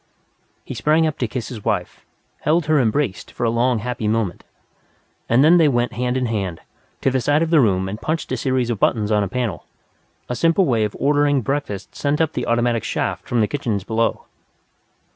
He sprang up to kiss his wife, held her embraced for a long happy moment. And then they went hand in hand, to the side of the room and punched a series of buttons on a panel a simple way of ordering breakfast sent up the automatic shaft from the kitchens below.